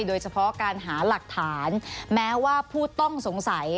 โดยเฉพาะการหาหลักฐานแม้ว่าผู้ต้องสงสัย